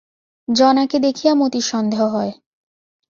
জনাকে দেখিয়া মতির সন্দেহ হয়।